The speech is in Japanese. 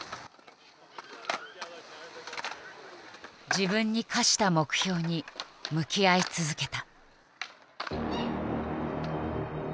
自分に課した目標に向き合い続けた。